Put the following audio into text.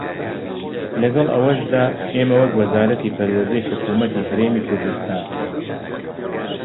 لەگەڵ ئەوەشدا ئێمە وەک وەزارەتی پەروەردەی حکوومەتی هەرێمی کوردستان